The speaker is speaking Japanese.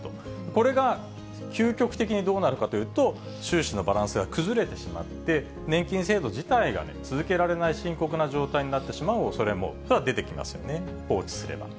これが究極的にどうなるかというと、収支のバランスが崩れてしまって、年金制度自体が続けられない深刻な状態になってしまうおそれも出てきますよね、放置すれば。